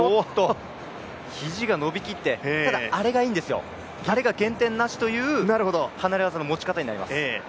肘が伸びきって、ただ、あれがいいんですよ、あれが減点なしという離れ技の持ち方になります。